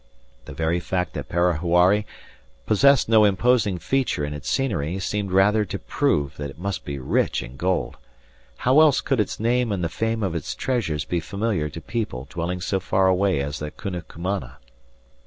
The very fact that Parahuari possessed no imposing feature in its scenery seemed rather to prove that it must be rich in gold: how else could its name and the fame of its treasures be familiar to people dwelling so far away as the Cunucumana?